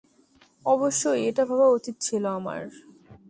অবশ্যই, এটা ভাবা উচিত ছিল আমার।